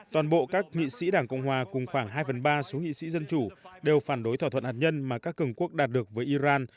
toàn bộ các nghị sĩ đảng cộng hòa cùng khoảng hai phần ba số nghị sĩ dân chủ đều phản đối thỏa thuận hạt nhân mà các cường quốc đạt được với iran